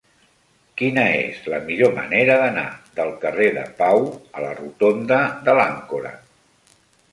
Quina és la millor manera d'anar del carrer de Pau a la rotonda de l'Àncora?